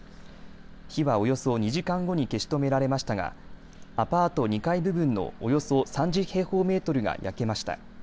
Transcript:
火はおよそ２時間後に消し止められましたがアパート２階部分のおよそ３０平方メートルが焼けました。